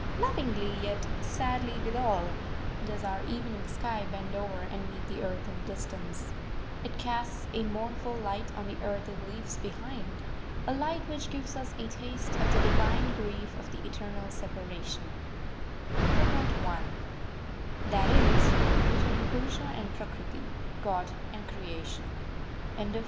Lovingly, yet sadly withal, does our evening sky bend over and meet the earth in the distance. It casts a mournful light on the earth it leaves behind a light which gives us a taste of the divine grief of the Eternal Separation and eloquent is the silence which then broods over earth, sky, and waters.